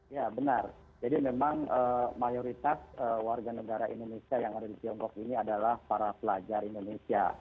ya benar jadi memang mayoritas warga negara indonesia yang ada di tiongkok ini adalah para pelajar indonesia